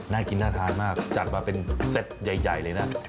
น่ากินน่าทานมากจัดมาเป็นเซตใหญ่เลยนะ